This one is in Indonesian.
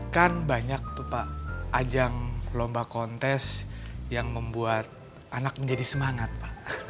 kan banyak tuh pak ajang lomba kontes yang membuat anak menjadi semangat pak